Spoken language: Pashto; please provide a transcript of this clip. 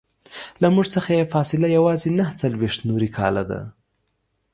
له موږ څخه یې فاصله یوازې نهه څلویښت نوري کاله ده.